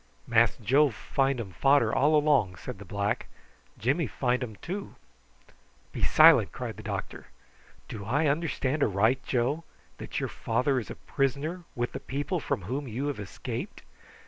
"Mass Joe find um fader all along," said the black. "Jimmy find um too." "Be silent!" cried the doctor. "Do I understand aright, Joe, that your father is a prisoner with the people from whom you have escaped?"